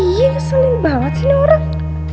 ih ngeselin banget sih nih orang